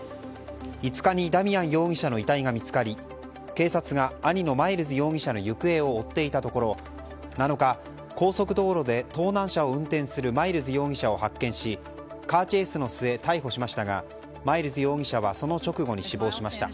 ５日にダミアン容疑者の遺体が見つかり警察が兄のマイルズ容疑者の行方を追っていたところ７日、高速道路で盗難車を運転するマイルズ容疑者を発見しカーチェイスの末逮捕しましたがマイルズ容疑者はその直後に死亡しました。